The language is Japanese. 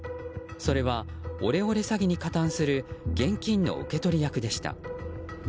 それは、オレオレ詐欺に加担する現金の受け取り役でした。